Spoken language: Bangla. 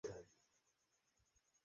আমি বললাম, কেন?